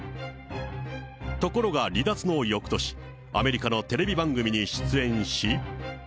ところが離脱のよくとし、アメリカのテレビ番組に出演し。